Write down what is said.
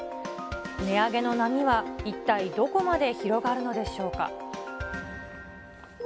値上げの波は一体どこまで広がるのでしょうか。